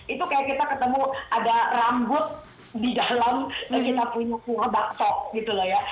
itu kayak kita ketemu ada rambut di dalam dan kita punya bakso gitu loh ya